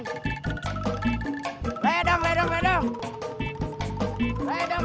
lidung lidung lidung